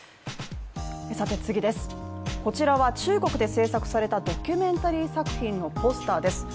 こちらは中国で製作されたドキュメンタリー作品のポスターです。